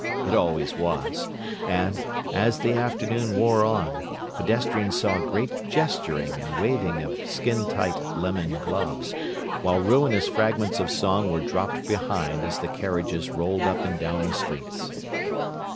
It always was, and, as the afternoon wore on, pedestrians saw great gesturing and waving of skin tight lemon gloves, while ruinous fragments of song were dropped behind as the carriages rolled up and down the streets.